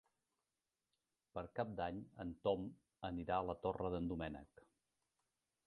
Per Cap d'Any en Tom anirà a la Torre d'en Doménec.